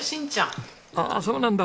ああそうなんだ